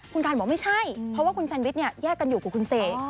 คุณการบอกไม่ใช่เพราะว่าคุณแซนวิชเนี่ยแยกกันอยู่กับคุณเสก